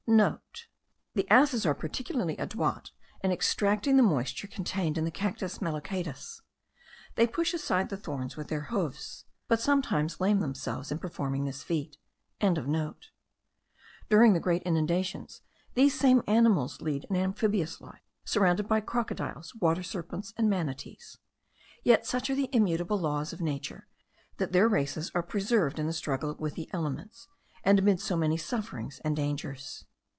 (* The asses are particularly adroit in extracting the moisture contained in the Cactus melocatus. They push aside the thorns with their hoofs; but sometimes lame themselves in performing this feat.) During the great inundations these same animals lead an amphibious life, surrounded by crocodiles, water serpents, and manatees. Yet, such are the immutable laws of nature, that their races are preserved in the struggle with the elements, and amid so many sufferings and dangers.